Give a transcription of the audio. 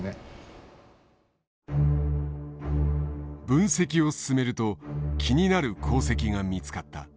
分析を進めると気になる航跡が見つかった。